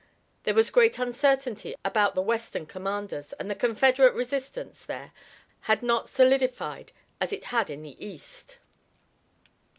There was great uncertainty about the western commanders, and the Confederate resistance there had not solidified as it had in the east.